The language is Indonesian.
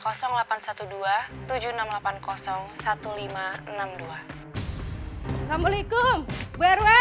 assalamualaikum bu rw